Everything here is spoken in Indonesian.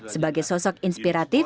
sebagai sosok inspiratif